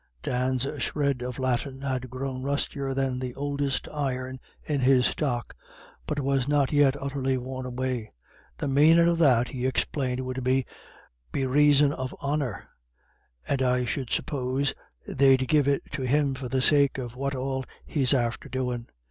Dan's shred of Latin had grown rustier than the oldest iron in his stock, but was not yet utterly worn away. "The manin' of that," he explained, "would be, be raison of honour, and I should suppose, they've gave it to him for the sake of what all he's after doin'."